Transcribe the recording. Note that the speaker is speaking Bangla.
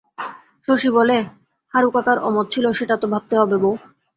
শশী বলে, হারুকাকার অমত ছিল সেটা তো ভাবতে হবে বৌ!